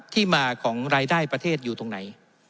ที่มาของรายได้ประเทศอยู่ตรงไหน